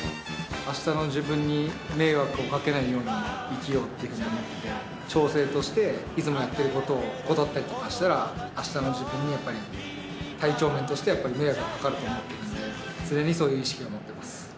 あしたの自分に迷惑をかけないように生きようっていうふうに思っててて、調整としていつもやってることを怠ったりとかしたら、あしたの自分にやっぱり体調面としてやっぱり迷惑かかると思ってるんで、常にそういう意識は持ってます。